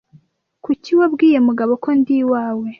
Kuki wabwiye Mugabo ko ndi iwawe